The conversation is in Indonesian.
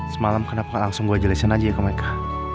semalam kenapa langsung gue jelasin aja ke mereka